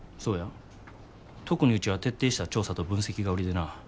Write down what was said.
特にうちは徹底した調査と分析が売りでな。